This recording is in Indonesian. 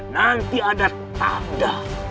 nanti ada tabda